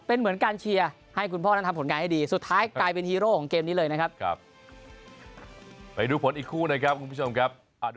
เป็นเหมือนการเชียร์ให้คุณพ่อทำผลงานให้ดีสุดท้ายกลายเป็นฮีโร่ของเกมนี้เลยนะครับ